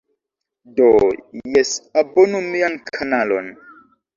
Do, jes, abonu mian kanalon.